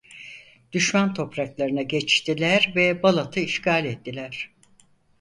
Düşman topraklarına geçtiler ve Balat'ı işgal ettiler.